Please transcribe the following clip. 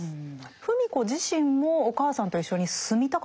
芙美子自身もお母さんと一緒に住みたかったんでしょうか？